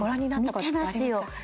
見てますよ。